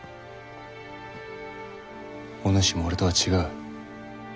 お主も俺とは違う。